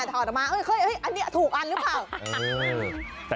ถอดออกมาอันนี้ถูกอันหรือเปล่า